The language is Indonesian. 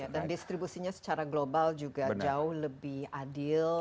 dan distribusinya secara global juga jauh lebih adil